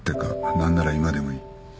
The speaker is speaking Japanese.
何なら今でもいい。